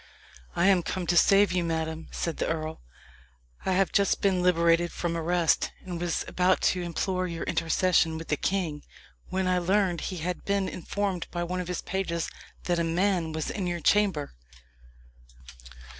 "I am come to save you, madame," said the earl. "I have been just liberated from arrest, and was about to implore your intercession with the king, when I learned he had been informed by one of his pages that a man was in your chamber.